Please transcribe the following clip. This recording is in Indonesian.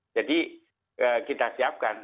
jadi kita siapkan